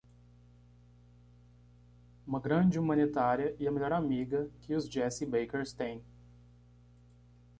Uma grande humanitária e a melhor amiga que os Jessie Bakers têm.